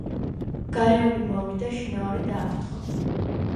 გარეული მოვიდა, შინაური დააფრთხო.